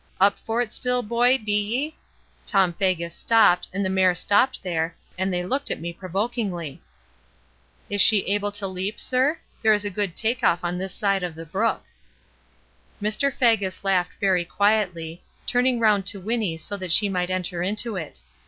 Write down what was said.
"Up for it still, boy, be ye?" Tom Faggus stopped, and the mare stopped there; and they looked at me provokingly. "Is she able to leap, sir? There is good take off on this side of the brook." Mr. Faggus laughed very quietly, turning round to Winnie so that she might enter into it.